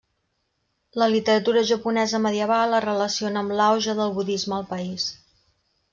La literatura japonesa medieval es relaciona amb l'auge del budisme al país.